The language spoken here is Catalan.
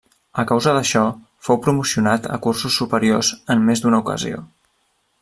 A causa d'això, fou promocionat a cursos superiors en més d'una ocasió.